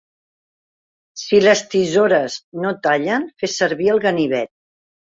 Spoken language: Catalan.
Si les tisores no tallen, fes servir el ganivet.